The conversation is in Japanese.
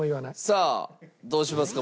さあどうしますか？